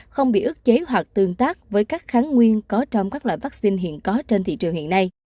không bị ức chế hoặc tương tác với các kháng nguyên có trong các loại vaccine hiện có trên thị trường hiện nay